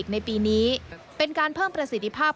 ในปีนี้เป็นการเพิ่มประสิทธิภาพ